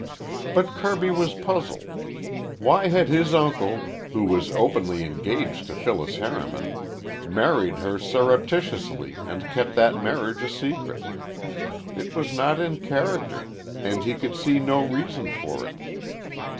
But Kirby was puzzled. Why had his uncle, who was openly engaged to Phyllis Harriman, married her surreptitiously and kept that marriage a secret? It was not in character, and he could see no reason for it.